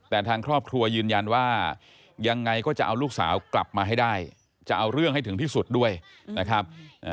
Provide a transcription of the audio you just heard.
แต่ทางครอบครัวยืนยันว่ายังไงก็จะเอาลูกสาวกลับมาให้ได้จะเอาเรื่องให้ถึงที่สุดด้วยนะครับ